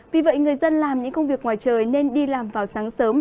vì vậy người dân làm những công việc ngoài trời nên đi làm vào sáng sớm